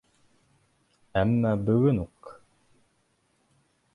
Әммә бөгөн үк...